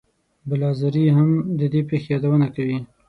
بلاذري هم د دې پېښې یادونه کوي.